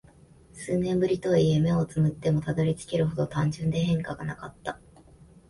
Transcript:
数年ぶりとはいえ、目を瞑ってもたどり着けるほど単純で変化がなかった。